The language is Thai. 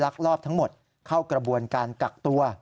ลอบทั้งหมดเข้ากระบวนการกักตัว